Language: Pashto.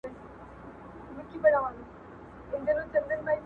کشمیر ته هر کلی پېغور وو اوس به وي او کنه-